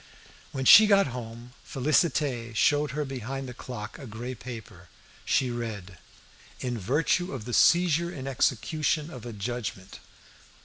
When she got home, Félicité showed her behind the clock a grey paper. She read "In virtue of the seizure in execution of a judgment."